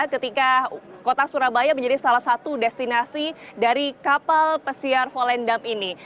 ketika kota surabaya menjadi salah satu destinasi dari kapal pesiar volendam ini